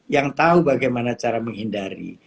yang tahu bagaimana cara menghindari